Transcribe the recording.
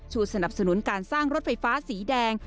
สนับสนุนการสร้างรถไฟฟ้าสีแดง